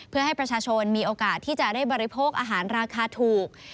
เพื่อให้ประชาชนมีโอกาสที่จะได้บริโภคอาหารราคาถูก